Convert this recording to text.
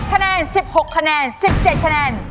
คะแนน๑๖คะแนน๑๗คะแนน